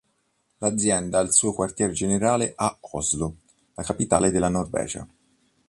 L'azienda ha il suo quartier generale a Oslo, la capitale della Norvegia.